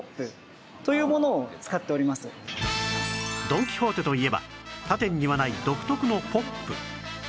ドン・キホーテといえば他店にはない独特の ＰＯＰ